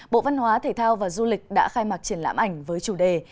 bộ văn hóa thể thao và du lịch đã khai mạc triển lãm ảnh với chủ đề